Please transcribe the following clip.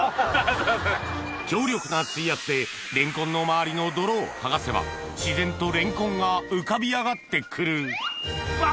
強力な水圧でレンコンの周りの泥を剥がせば自然とレンコンが浮かび上がって来るわっ